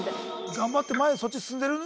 頑張って前へそっち進んでる？